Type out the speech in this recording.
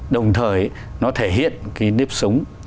đồng thời nó thể hiện cái nếp sống